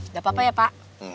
udah papa ya pak